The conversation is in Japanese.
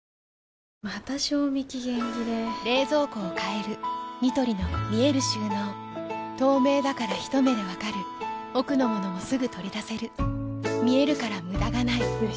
また賞味期限切れ冷蔵庫を変えるニトリの見える収納透明だからひと目で分かる奥の物もすぐ取り出せる見えるから無駄がないよし。